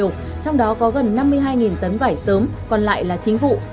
trong đó có gần năm mươi hai tấn vải sớm còn lại là chính vụ